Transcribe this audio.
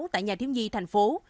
tại nhà thiếu nhi thành phố